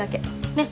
ねっ。